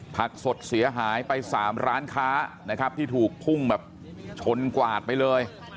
ผักสดเสียหายไป๓ร้านค้านะครับที่ถูกพุ่งแบบชนกวาดไปเลย